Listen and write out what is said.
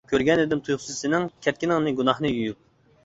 كۆرگەنىدىم تۇيۇقسىز سېنىڭ، كەتكىنىڭنى گۇناھنى يۇيۇپ.